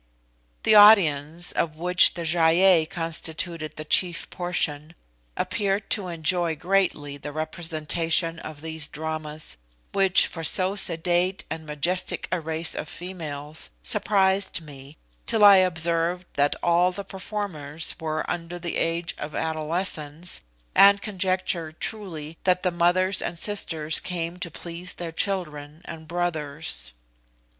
The audience, of which the Gy ei constituted the chief portion, appeared to enjoy greatly the representation of these dramas, which, for so sedate and majestic a race of females, surprised me, till I observed that all the performers were under the age of adolescence, and conjectured truly that the mothers and sisters came to please their children and brothers.